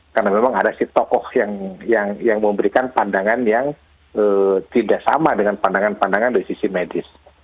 karena memang ada si tokoh yang memberikan pandangan yang tidak sama dengan pandangan pandangan dari sisi medis